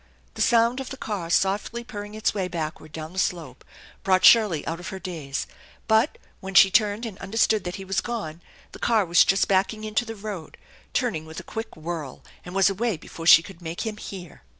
The sound of the car softly purring its way backward down the slope brought Shirley out of her daze ; but, when she turned and understood that he was gone, the car was just backing into the road, turning with a quick whirl, and was away before she could make him hear.